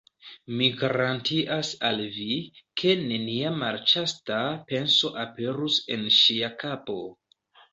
Mi garantias al vi, ke nenia malĉasta penso aperus en ŝia kapo...